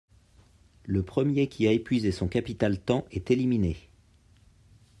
Le premier qui a épuisé son capital temps est éliminé.